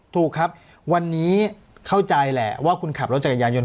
ถูกครับวันนี้เข้าใจแหละว่าคุณขับรถจักรยานยนต